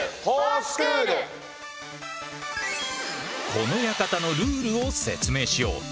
この館のルールを説明しよう。